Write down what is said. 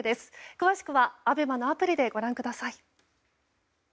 詳しくはＡＢＥＭＡのアプリでご覧ください。